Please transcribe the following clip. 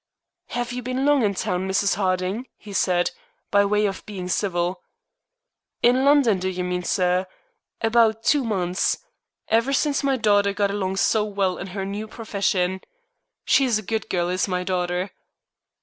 "Have you been long in town, Mrs. Harding?" he said, by way of being civil. "In London, do you mean, sir? About two months. Ever since my daughter got along so well in her new profession. She's a good girl, is my daughter."